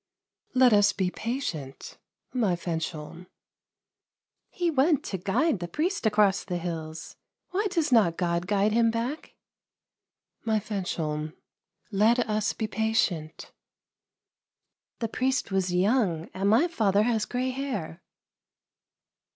" Let us be patient, my Fanchon." " He went to guide the priest across the hills. Why does not God guide him back? "" My Fanchon, let us be patient." " The priest was young, and my father has grey hair."